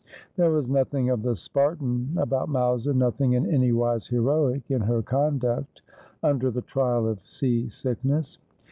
There was nothing of the Spartan about Mowser, nothing in any wise heroic in her conduct under the trial of sea sickness.